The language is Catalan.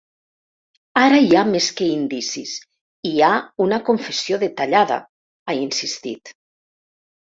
Ara hi ha més que indicis, hi ha una confessió detallada, ha insistit.